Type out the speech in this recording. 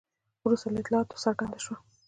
وروسته له اطلاعاتو څرګنده شوه.